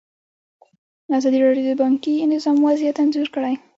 ازادي راډیو د بانکي نظام وضعیت انځور کړی.